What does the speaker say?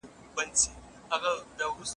تدریسي نصاب بې ارزوني نه تایید کیږي.